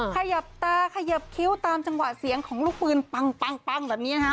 ขยับตาขยับคิ้วตามจังหวะเสียงของลูกปืนปังแบบนี้นะคะ